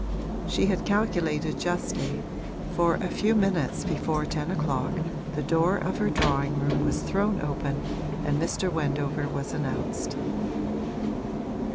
She had calculated justly, for a few minutes before ten o'clock the door of her drawing room was thrown open and Mr. Wendover was announced.